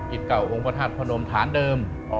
เก่าองค์พระธาตุพระนมฐานเดิม